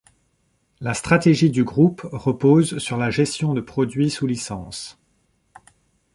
La stratégie du groupe repose sur la gestion de produits sous licence.